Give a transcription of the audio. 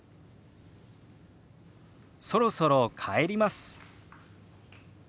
「そろそろ帰ります」。